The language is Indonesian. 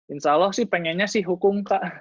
insya allah sih pengennya sih hukum kak